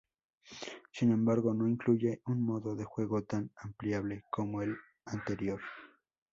Sin embargo, no incluye un modo de juego tan ampliable como el anterior.